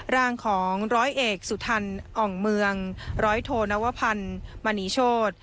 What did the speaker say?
ร่างของร้อยเอกสุทันอ่องเมืองร้อยโทนวพันธ์มณีโชธ